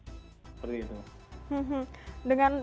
saya harus menghadapi situasi kondisi di mana dia terkena covid